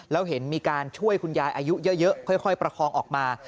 แล้วเห็นมีการช่วยคุณยายอายุเยอะค่อยประคองออกมา